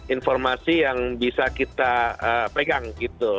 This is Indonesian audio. informasi yang bisa kita pegang gitu